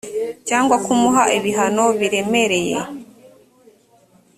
cyangwa kumuha ibihano biremereye